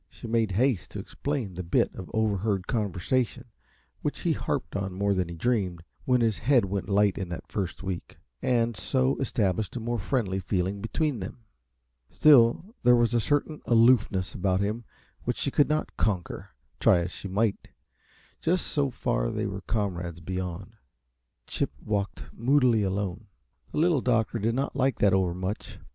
She made haste to explain the bit of overheard conversation, which he harped on more than he dreamed, when his head went light in that first week, and so established a more friendly feeling between them. Still, there was a certain aloofness about him which she could not conquer, try as she might. Just so far they were comrades beyond, Chip walked moodily alone. The Little Doctor did not like that overmuch.